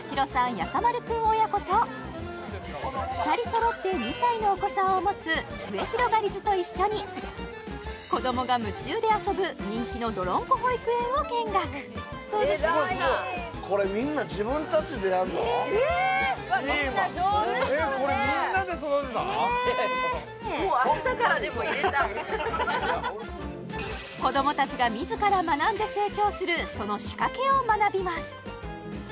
やさ丸くん親子と２人そろって２歳のお子さんを持つすゑひろがりずと一緒に子どもが夢中で遊ぶ人気のどろんこ保育園を見学子どもたちが自ら学んで成長するその仕掛けを学びます